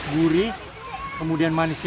gurih kemudian manisnya